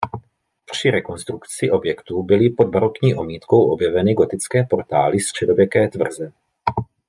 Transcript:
Při rekonstrukci objektu byly pod barokní omítkou objeveny gotické portály středověké tvrze.